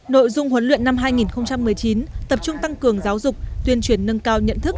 nội dung huấn luyện năm hai nghìn một mươi chín tập trung tăng cường giáo dục tuyên truyền nâng cao nhận thức